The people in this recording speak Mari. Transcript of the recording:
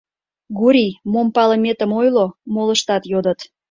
— Гурий, мом палыметым ойло, — молыштат йодыт.